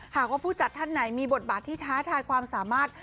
หากว่าผู้จัดท่านไหนมีบทบาทที่ท้าทายความสามารถ